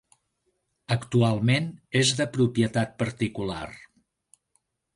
Actualment és de propietat particular.